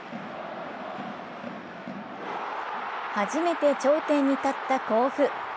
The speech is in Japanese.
初めて頂点に立った甲府。